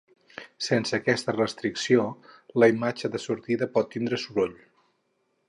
Sense aquesta restricció, la imatge de sortida pot tindre soroll.